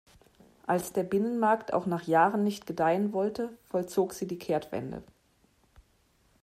Als der Binnenmarkt auch nach Jahren nicht gedeihen wollte, vollzog sie die Kehrtwende.